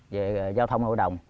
về giao thông hội đồng